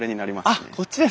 あっこっちですね。